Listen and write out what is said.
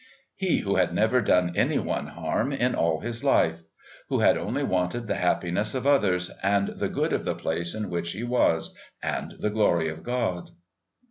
He who had never done any one harm in all his life, who had only wanted the happiness of others and the good of the place in which he was, and the Glory of God!